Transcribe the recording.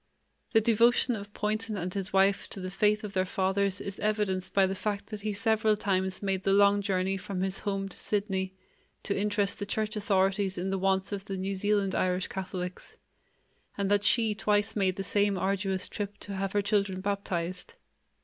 The devotion of Poynton and his wife to the faith of their fathers is evidenced by the fact that he several times made the long journey from his home to Sydney to interest the church authorities in the wants of the New Zealand Irish Catholics, and that she twice made the same arduous trip to have her children baptized.